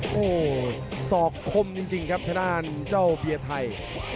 โอ้โหสอกคมจริงครับทางด้านเจ้าเพียร์ไทย